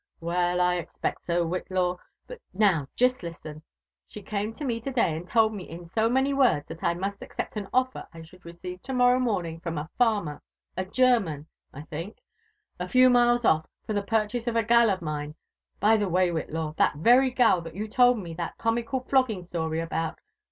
Well, I expect so, Whillaw. Bjai now jest Ksten. She came to me to day, and told me in^so many words that I must accept an offer I should receive to morrow morning from a farmer, a German, I think, a few miles off, for (he purchase of a gal of mine ;— by the way, Whitlaw, that very gal that you told me that comical flogging story about.